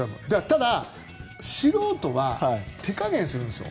ただ、素人は手加減するんですよ。